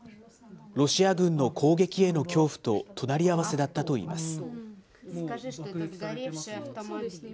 ロシア軍の攻撃への恐怖と隣り合わせだったといいます。